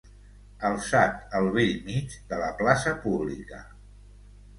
Alçat al bell mig de la plaça pública.